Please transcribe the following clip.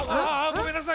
ごめんなさい